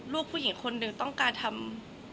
ลูกผู้หญิงคนหนึ่งต้องการทำ